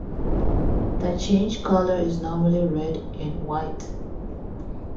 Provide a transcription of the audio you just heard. The change colour is normally red and white.